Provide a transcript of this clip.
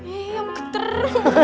iya mau keter